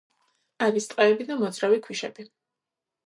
არის ტყეები და მოძრავი ქვიშები.